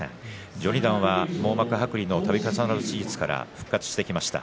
序二段は網膜剥離のたび重なる手術から復活してきました。